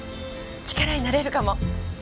力になれるかも。